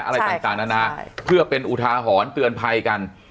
อะไรต่างนานาเพื่อเป็นอุทาหรณ์เตือนภัยกัน